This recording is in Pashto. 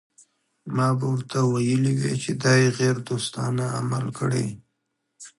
ما به ورته ویلي وای چې دا یې غیر دوستانه عمل کړی.